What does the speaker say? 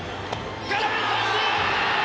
空振り三振！